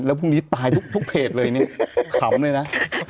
แล้วพรุ่งนี้ตายทุกเพจเลยนี่ขำเลยนะ